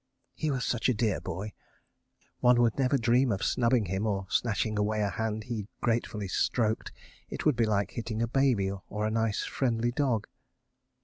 ("He was such a dear boy—one would never dream of snubbing him or snatching away a hand he gratefully stroked—it would be like hitting a baby or a nice friendly dog.